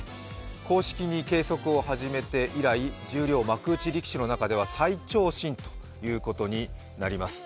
公式に計測を始めて以来十両・幕内力士の中では最長身ということになります。